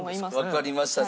わかりました。